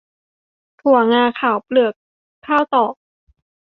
ถั่วงาข้าวเปลือกข้าวตอก